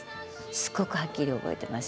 すごくはっきり覚えてますね。